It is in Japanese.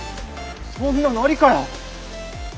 そんなのありかよ！